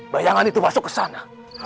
bayangan itu masuk kesana